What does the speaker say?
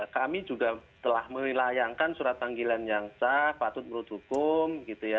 kami juga telah melayangkan surat panggilan yang sah patut menurut hukum